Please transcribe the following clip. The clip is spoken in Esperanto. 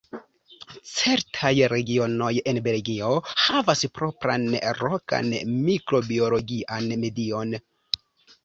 Certaj regionoj en Belgio havas propran, lokan mikrobiologian medion.